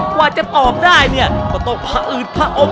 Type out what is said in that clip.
กว่าจะตอบได้เนี่ยก็ต้องผอืดผอม